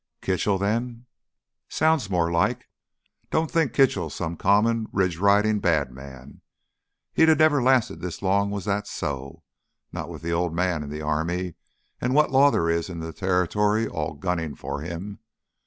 "Kitchell then?" "Sounds more like. Don't think Kitchell's some common ridge ridin' bad man. He'd never've lasted this long was that so—not with th' Old Man an' th' army an' what law there is in th' territory all gunnin' for him.